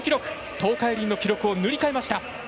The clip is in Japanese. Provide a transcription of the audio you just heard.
東海林の記録を塗り替えました。